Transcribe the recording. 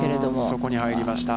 そこに入りました。